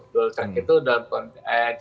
dual track itu dalam konteks